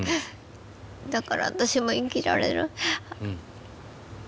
だから私も生きられる。